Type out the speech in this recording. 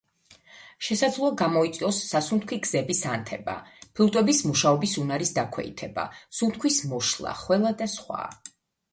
შესაძლოა გამოიწვიოს სასუნთქი გზების ანთება, ფილტვების მუშაობის უნარის დაქვეითება, სუნთქვის მოშლა, ხველა და სხვა.